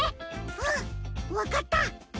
うんわかった！